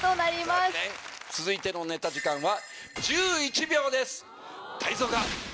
続いてのネタ時間は。